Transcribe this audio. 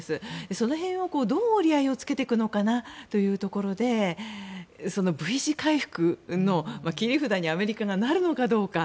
その辺をどう折り合いをつけていくのかなというところでＶ字回復の切り札にアメリカがなるのかどうか。